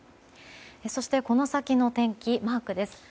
そしてこの先の天気マークです。